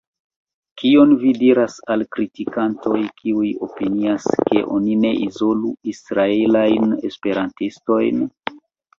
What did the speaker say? Kion vi diras al kritikantoj, kiuj opinias, ke oni ne izolu israelajn esperantistojn?